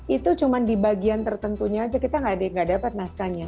itu cuma di bagian tertentunya aja kita nggak dapat naskahnya